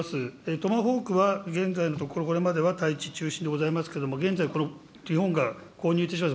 トマホークは現在のところ、対地中心でございますけれども、現在、この日本が購入いたします